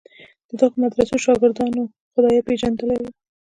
د دغو مدرسو شاګردانو خدای پېژندلی و.